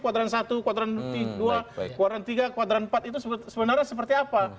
kuadran satu kuadran dua kuaran tiga kuadran empat itu sebenarnya seperti apa